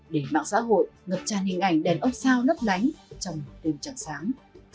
để mạng xã hội ngập tràn hình ảnh đèn ốc sao nấp lánh trong đêm trắng sáng